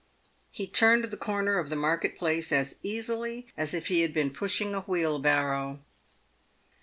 He turned the corner of the market place as easily as if he had been pushing a wheelbarrow.